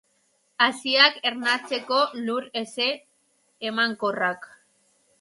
Haziak ernatzeko lur heze emankorrak.